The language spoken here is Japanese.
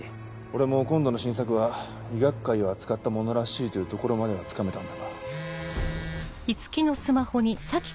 俺も今度の新作は医学界を扱ったものらしいというところまではつかめたんだが。